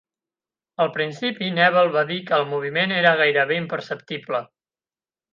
Al principi, Nebel va dir que el moviment era gairebé imperceptible.